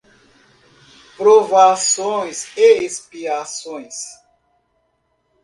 Provações e expiações